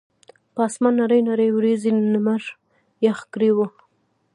پۀ اسمان نرۍ نرۍ وريځې نمر يخ کړے وو